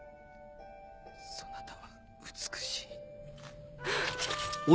そなたは美しい。